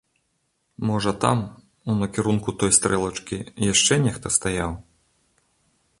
Можа там, у накірунку той стрэлачкі, яшчэ нехта стаяў?